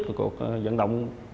của cuộc vận động